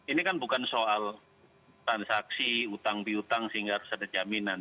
ini kan bukan soal transaksi utang biutang sehingga harus ada jaminan